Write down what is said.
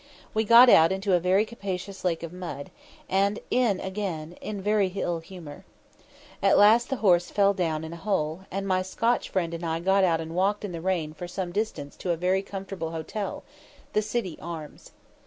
We got out into a very capacious lake of mud, and in again, in very ill humour. At last the horse fell down in a hole, and my Scotch friend and I got out and walked in the rain for some distance to a very comfortable hotel, the City Arms.